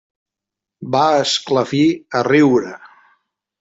Va esclafir a riure.